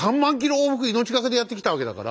往復命懸けでやってきたわけだから。